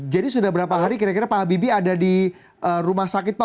jadi sudah berapa hari kira kira pak habibie ada di rumah sakit pak